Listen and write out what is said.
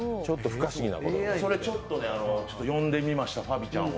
ちょっと呼んでみましたファビちゃんを。